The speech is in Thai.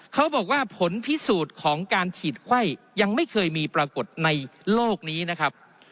เขาบอกว่าผลพิสูจน์ของการฉีดไข้ยังไม่เคยมีปรากฏในโลกนี้นะครับ